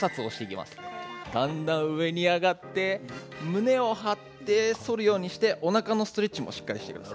だんだん上に上がって胸を張って反るようにしておなかのストレッチもしっかりします。